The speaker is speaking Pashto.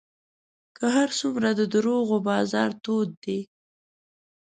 که هر څومره د دروغو بازار تود دی